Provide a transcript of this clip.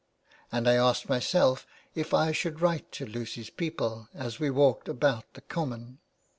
And I asked myself if I should write to Lucy's 406 THE WAY BACK. people as we walked about the Common.